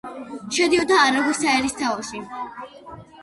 შედიოდა არაგვის საერისთავოში.